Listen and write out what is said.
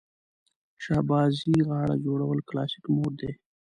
شهبازي غاړه جوړول کلاسیک موډ دی.